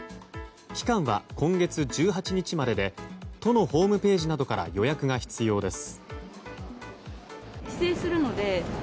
期間は今月１８日までで都のホームページなどから予約が必要です。